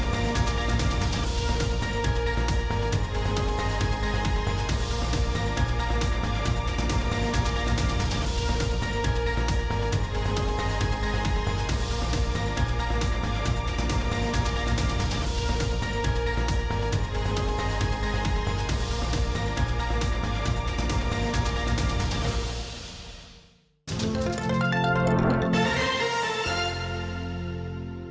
โปรดติดตามตอนต่อไป